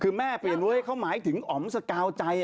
คือแม่เปลี่ยนไว้เขาหมายถึงอ๋อมสกาวใจ